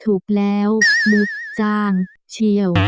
ถูกแล้วบุกจ้างเชี่ยว